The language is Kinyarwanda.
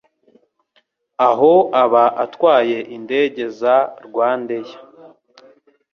aho aba atwaye indege za RwandAir.